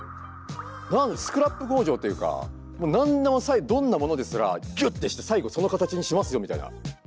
スクラップ工場っていうか何でもどんなものですらギュッてして最後その形にしますよみたいな。